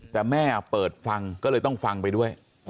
แต่แม่เปิดฟังก็เลยต้องฟังไปด้วย